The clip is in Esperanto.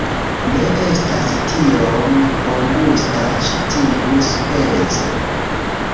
Ne estas tiom bongusta ĉi tiu speco